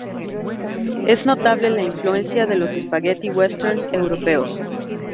Es notable la influencia de los spaghetti westerns europeos.